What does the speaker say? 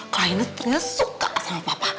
kaines ternyata suka sama papa